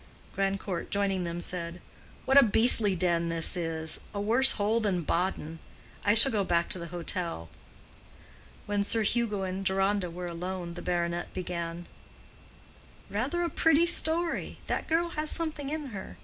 Grandcourt joining them said, "What a beastly den this is!—a worse hole than Baden. I shall go back to the hotel." When Sir Hugo and Deronda were alone, the baronet began, "Rather a pretty story. That girl has something in her.